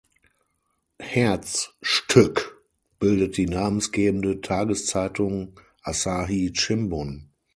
Herzstück bildet die namensgebende Tageszeitung Asahi Shimbun.